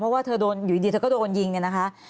เพราะว่าอยู่ดีเธอก็โดนยิงนะคะ